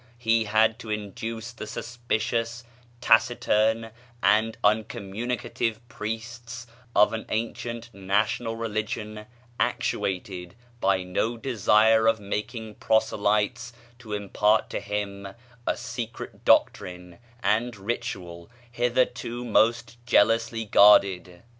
He had to induce the suspicious, taciturn, and uncommunicative priests of an ancient national religion actuated by no desire of making proselytes to impart to him a secret doctrine and ritual hitherto most jealously guarded.